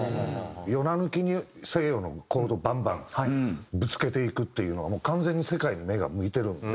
４７抜きに西洋のコードをバンバンぶつけていくっていうのが完全に世界に目が向いてるよね。